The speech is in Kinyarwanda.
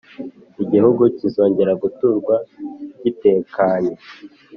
Igihugu kizongera guturwa gitekanye